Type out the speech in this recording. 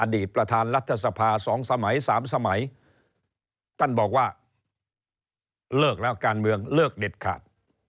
อดีตประธานรัฐสภาสองสมัยสามสมัยตั้งบอกว่าเลิกแล้วการเมืองเลิกเด็ดขาด